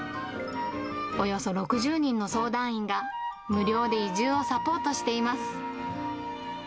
およそ６０人の相談員が、無料で移住をサポートしています。